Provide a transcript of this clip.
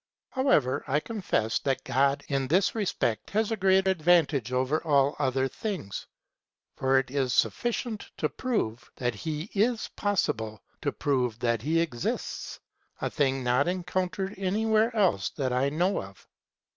How ever, I confess, that God in this respect has a great advantage over all other things. For it is sufficient to prove that he is possible to prove that he exists, a thing not encountered anywhere else that I know of.